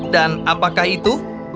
dan apakah itu